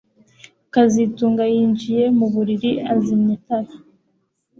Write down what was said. kazitunga yinjiye mu buriri azimya itara